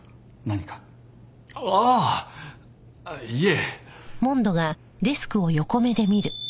ああいえ。